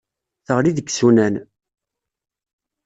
Teɣli deg yisunan.